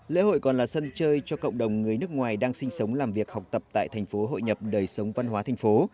lễ hội còn là sân chơi cho cộng đồng người nước ngoài đang sinh sống làm việc học tập tại thành phố hội nhập đời sống văn hóa thành phố